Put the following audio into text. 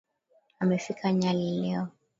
Amefika Nyali leo.